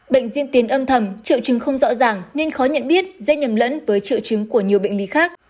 bệnh diên tiến âm thầm triệu chứng không rõ ràng nên khó nhận biết dễ nhầm lẫn với triệu chứng của nhiều bệnh lý khác